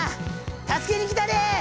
助けに来たで！